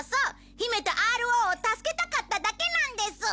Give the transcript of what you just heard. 姫とＲＯを助けたかっただけなんです。